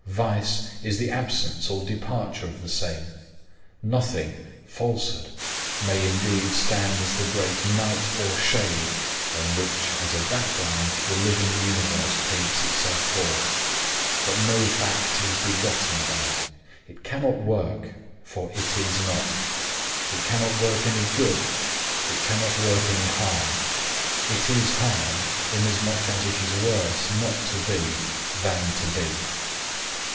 Vice is the absence or departure of the same. Nothing, Falsehood, may indeed stand as the great Night or shade on which as a background the living universe paints itself forth, but no fact is begotten by it; it cannot work, for it is not. It cannot work any good; it cannot work any harm. It is harm inasmuch as it is worse not to be than to be.